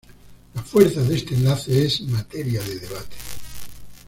La fuerza de este enlace es materia de debate.